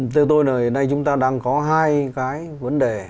theo tôi là hiện nay chúng ta đang có hai cái vấn đề